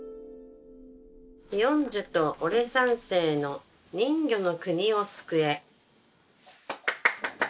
「ピ・ヨンジュとオレ三世の人魚の国を救え」。